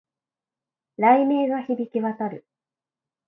雷鳴が響き渡る